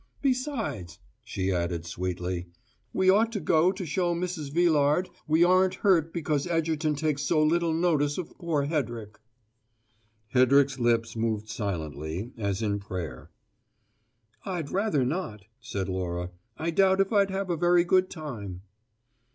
Besides," she added sweetly, "we ought to go to show Mrs. Villard we aren't hurt because Egerton takes so little notice of poor Hedrick." Hedrick's lips moved silently, as in prayer. "I'd rather not," said Laura. "I doubt if I'd have a very good time."